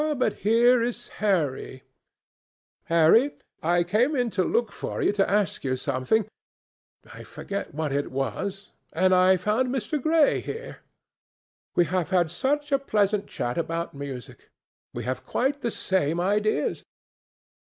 But here is Harry! Harry, I came in to look for you, to ask you something—I forget what it was—and I found Mr. Gray here. We have had such a pleasant chat about music. We have quite the same ideas.